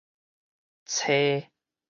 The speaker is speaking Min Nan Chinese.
妻